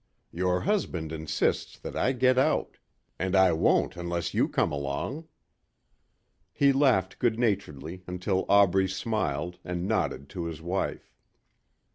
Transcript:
"Your husband insists that I get out. And I won't unless you come along." He laughed good naturedly until Aubrey smiled, and nodded to his wife.